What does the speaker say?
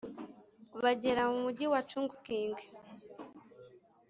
bagera mu mugi wa Chungking